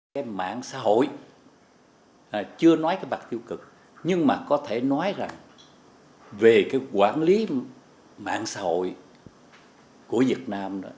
cái mạng xã hội chưa nói cái bạc tiêu cực nhưng mà có thể nói rằng về cái quản lý mạng xã hội của việt nam đó